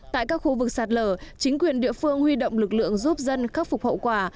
tại các khu vực sạt lở chính quyền địa phương huy động lực lượng giúp dân khắc phục hậu quả